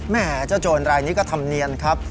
แม่เจ้าโจรรายนี้ก็ทำเนียนครับ